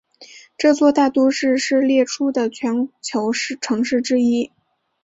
这座大都市是列出的全球城市之一。